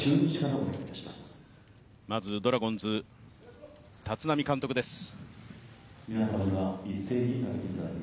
まずドラゴンズ、立浪監督です。